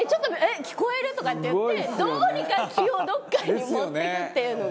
聞こえる？」とかって言ってどうにか、気をどこかに持ってくっていうのが。